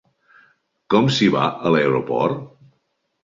Com s'hi va, a l'aeroport?